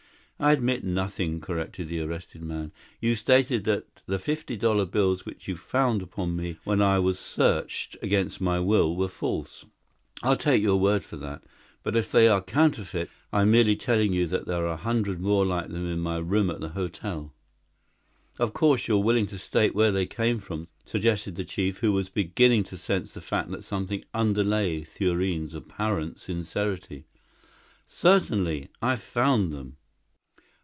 "I admit nothing," corrected the arrested man. "You stated that the fifty dollar bills which you found upon me when I was searched against my will were false. I'll take your word for that. But if they are counterfeit, I'm merely telling you that there are a hundred more like them in my room at the hotel." "Of course you're willing to state where they came from?" suggested the chief, who was beginning to sense the fact that something underlay Thurene's apparent sincerity. "Certainly. I found them."